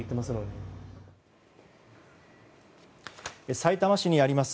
さいたま市にあります